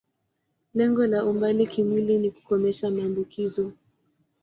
Lengo la umbali kimwili ni kukomesha maambukizo.